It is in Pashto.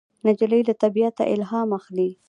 نجلۍ له طبیعته الهام اخلي.